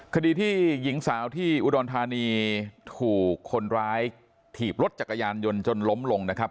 คดีที่หญิงสาวที่อุดรธานีถูกคนร้ายถีบรถจักรยานยนต์จนล้มลงนะครับ